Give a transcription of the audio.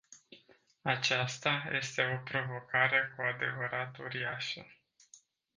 Aceasta este o provocare cu adevărat uriașă.